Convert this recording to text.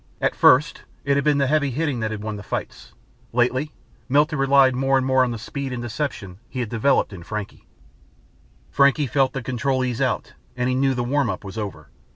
At first, it had been the heavy hitting that had won the fights; lately, Milt had relied more and more on the speed and deception he had developed in Frankie. Frankie felt the control ease out and knew the warm up was over.